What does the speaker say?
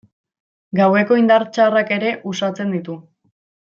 Gaueko indar txarrak ere uxatzen ditu.